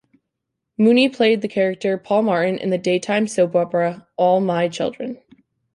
Mooney played the character Paul Martin in the daytime soap opera "All My Children".